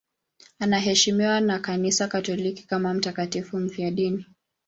Anaheshimiwa na Kanisa Katoliki kama mtakatifu mfiadini.